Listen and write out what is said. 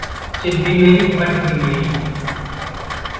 चित भी मेरी पट भी मेरी।